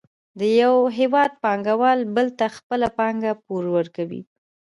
د یو هېواد پانګوال بل ته خپله پانګه پور ورکوي